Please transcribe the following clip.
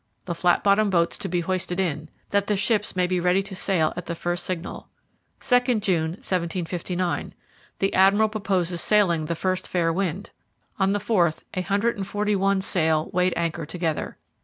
The flat bottomed boats to be hoisted in, that the ships may be ready to sail at the first signal.' '2nd June, 1759. The Admiral purposes sailing the first fair wind.' On the 4th a hundred and forty one sail weighed anchor together.